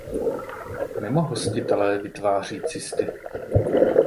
Mimo hostitele vytváří cysty.